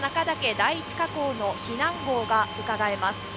第一火口の避難ごうがうかがえます。